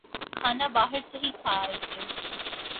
کھانا باہر سے ہی کھا آئے تھے